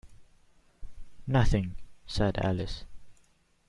‘Nothing,’ said Alice.